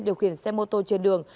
điều khiển xe mô tô trên đường